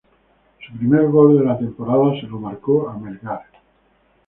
Su primer gol de la temporada se lo marcó a Melgar.